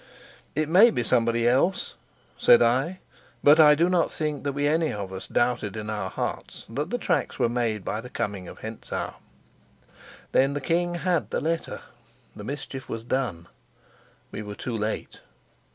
"It may be somebody else," said I; but I do not think that we any of us doubted in our hearts that the tracks were made by the coming of Hentzau. Then the king had the letter; the mischief was done. We were too late.